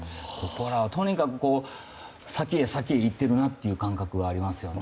とにかく先に先にいっているなという感覚がありますね。